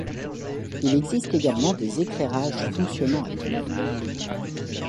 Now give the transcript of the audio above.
Il existe également des éclairages fonctionnant à piles.